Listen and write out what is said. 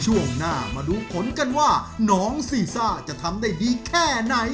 ช่วงหน้ามาดูผลกันว่าน้องซีซ่าจะทำได้ดีแค่ไหน